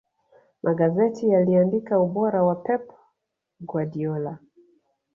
magazeti yaliandika ubora wa pep guardiola